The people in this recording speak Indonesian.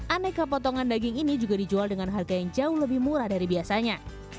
aneka potongan daging ini juga dijual dengan harga yang jauh lebih murah dari biasanya